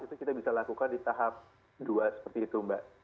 itu kita bisa lakukan di tahap dua seperti itu mbak